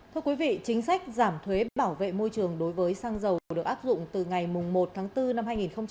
thưa quý vị chính sách giảm thuế bảo vệ môi trường đối với xăng dầu được áp dụng từ ngày một tháng bốn năm hai nghìn hai mươi